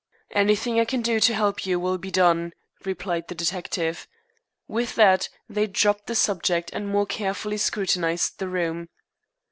"Anything I can do to help you will be done," replied the detective. With that they dropped the subject, and more carefully scrutinized the room.